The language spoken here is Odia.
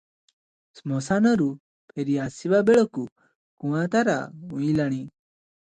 ଶ୍ମଶାନରୁ ଫେରି ଆସିବା ବେଳକୁ କୁଆଁତାରା ଉଇଁଲାଣି ।